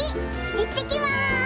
いってきます！